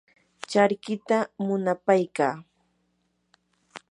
charkita munapaykaa.